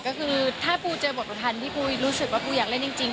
ก็คือถ้าปูเจอบทประพันธ์ที่ปูรู้สึกว่าปูอยากเล่นจริง